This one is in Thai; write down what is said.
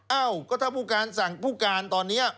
เอ้าก็ถ้าผู้การสั่งผู้การตอนนี้